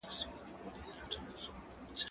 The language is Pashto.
زه پرون چپنه پاکه کړه،